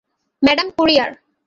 Madam, courier.